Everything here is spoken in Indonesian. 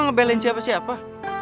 lo ngebeliin siapa siapa